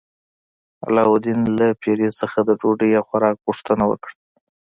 علاوالدین له پیري څخه د ډوډۍ او خوراک غوښتنه وکړه.